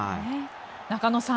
中野さん